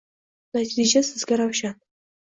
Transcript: Natija sizga ravshan